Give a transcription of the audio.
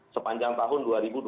sepanjang tahun dua ribu dua puluh